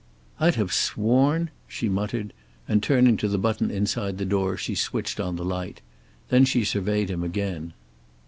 "I'd have sworn " she muttered, and turning to the button inside the door she switched on the light. Then she surveyed him again.